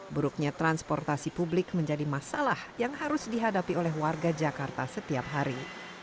buruknya transportasi publik menjadi masalah yang harus dihadapi oleh warga jakarta setiap hari